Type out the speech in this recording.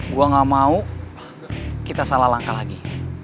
gue gak mau kita salah langkah lagi